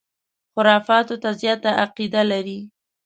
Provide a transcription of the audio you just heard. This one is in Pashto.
خُرافاتو ته زیاته عقیده لري.